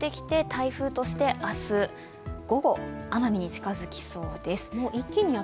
台風として明日午後、奄美に近づきそうです。